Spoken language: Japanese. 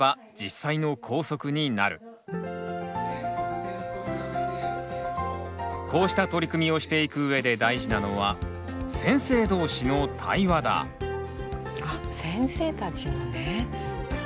生徒たちはこうした取り組みをしていくうえで大事なのはあっ先生たちもね。